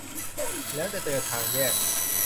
แล้วจะเจอทางแยก